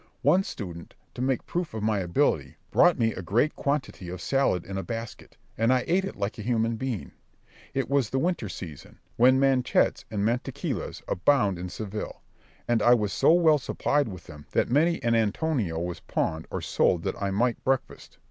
One student, to make proof of my ability, brought me a great quantity of salad in a basket, and I ate it like a human being. It was the winter season, when manchets and mantequillas abound in Seville; and I was so well supplied with them, that many an Antonio was pawned or sold that I might breakfast.